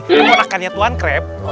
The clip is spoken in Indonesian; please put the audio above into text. yang menggunakannya tuan krep